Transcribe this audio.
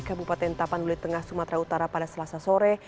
kabupaten tapanuli tengah sumatera utara pada selasa sore